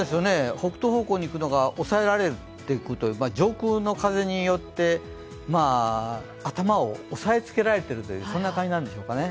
北東方向に行くのが抑えられていくという、上空の風によって頭を押さえつけられている感じなんでしょうかね。